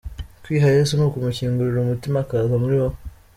Kwiha Yesu ni ukumukingurira umutima akaza muri wowe.